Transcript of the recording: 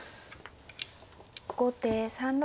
後手３六歩。